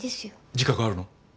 自覚あるの？